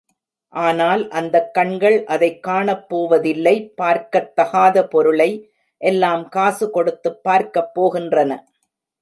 ஆனால் அந்தக் கண்கள் அதைக் காணப்போவதில்லை பார்க்கத் தகாத பொருளை எல்லாம் காசு கொடுத்துப் பார்க்கப் போகின்றன.